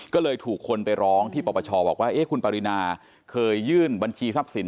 ก็เลยถูกคนไปร้องที่ปปชบอกว่าคุณปรินาเคยยื่นบัญชีทรัพย์สิน